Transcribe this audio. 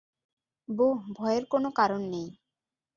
বোহ, ভয়ের কোনো কারণ নেই।